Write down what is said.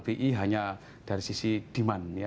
bi hanya dari sisi demand